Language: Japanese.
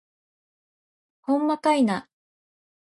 ほんまかいな